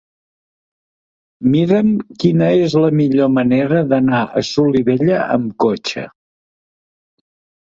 Mira'm quina és la millor manera d'anar a Solivella amb cotxe.